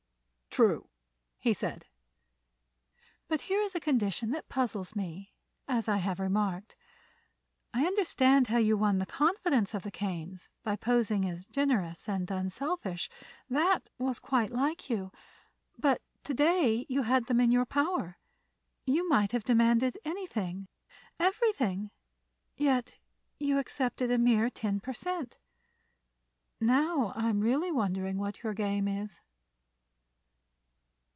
"True," he said. "But here is a condition that puzzles me, as I have remarked. I understand how you won the confidence of the Kanes by posing as generous and unselfish. That was quite like you. But to day you had them in your power. You might have demanded anything—everything—yet you accepted a mere ten per cent. Now I'm really wondering what your game is."